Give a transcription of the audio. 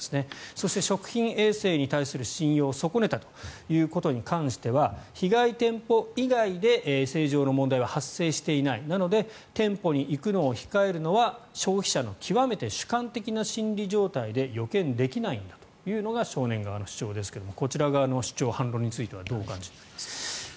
そして、食品衛生に対する信用を損ねたということに関しては被害店舗以外で衛生上の問題は発生していないなので、店舗に行くのを控えるのは消費者の極めて主観的な心理状態で予見できないんだというのが少年側の主張ですがこちら側の主張反論についてはどうお感じになりますか。